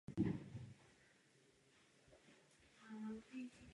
Zároveň navrhl rozpustit parlament a uspořádat předčasné parlamentní volby.